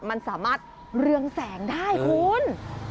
มันสามารถเรืองแสงได้คุณ